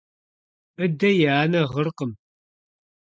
Быдэ и анэ гъыркъым.